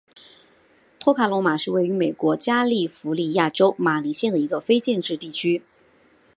托卡洛马是位于美国加利福尼亚州马林县的一个非建制地区。